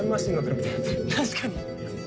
確かに。